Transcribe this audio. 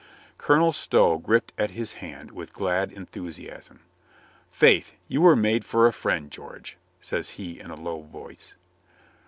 Colonel Stow gripped at his hand with glad en thusiasm. "Faith, you were made for a friend, George," says he in a low voice.